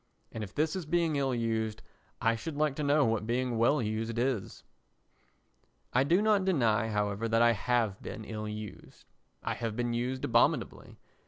And if this is being ill used I should like to know what being well used is. I do not deny, however, that I have been ill used. I have been used abominably.